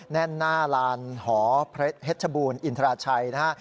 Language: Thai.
แน่นหน้าลานหอเพชรบูรณอินทราชัยนะฮะ